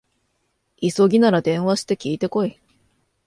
急ぎなら電話して聞いてこい